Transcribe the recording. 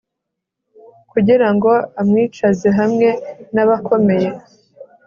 kugira ngo amwicaze hamwe n'abakomeye